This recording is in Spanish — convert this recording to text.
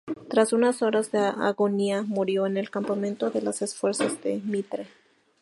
Tras unas horas de agonía, murió en el campamento de las fuerzas de Mitre.